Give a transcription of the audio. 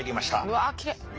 うわきれい。